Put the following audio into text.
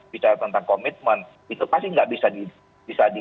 bicara tentang komitmen itu pasti tidak bisa diisi